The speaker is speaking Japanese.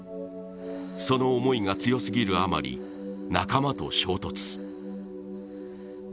その思いが強すぎるあまり仲間と衝突。